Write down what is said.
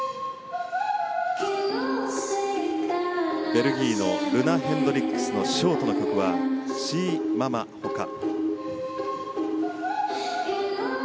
ベルギーのルナ・ヘンドリックスのショートの曲は「ＳｉＭａｍａ」ほか。